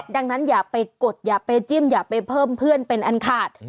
ดังนั้นอย่าไปกดอย่าไปจิ้มอย่าไปเพิ่มเพื่อนเป็นอันขาด